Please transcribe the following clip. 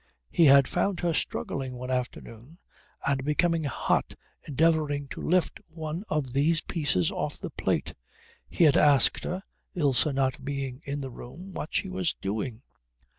He had found her struggling one afternoon and becoming hot endeavouring to lift one of these pieces up off the plate. He had asked her, Ilse not being in the room, what she was doing.